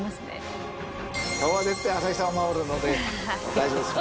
大丈夫ですよ。